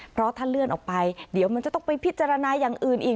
เพราะถ้าเลื่อนออกไปเดี๋ยวมันจะต้องไปพิจารณาอย่างอื่นอีก